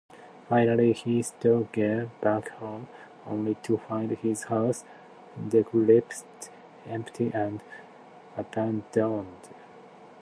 Finally, he staggers back home, only to find his house decrepit, empty, and abandoned.